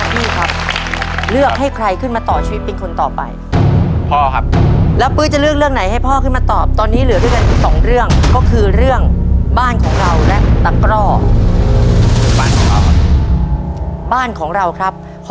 ตัวเลือกที่๑ต้นไม้ประจำจังหวัดคือต้นโมกมันครับ